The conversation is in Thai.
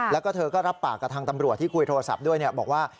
แล้วก็เธอก็รับปากกับทางตำรวจที่คุยโทรศัพท์ด้วยบอกว่า